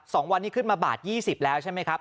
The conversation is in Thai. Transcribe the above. สองวันนี้ขึ้นมาบาท๒๐แล้วใช่ไหมครับ